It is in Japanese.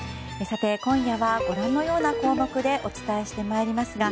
今夜はご覧のような項目でお伝えしてまいりますが